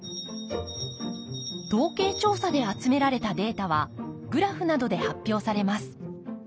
統計調査で集められたデータはグラフなどで発表されます。